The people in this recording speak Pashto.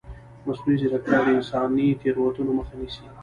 مصنوعي ځیرکتیا د انساني تېروتنو مخه نیسي.